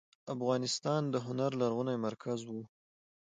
افغانستان د هنر لرغونی مرکز و.